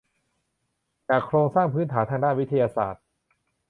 จากโครงสร้างพื้นฐานทางด้านวิทยาศาสตร์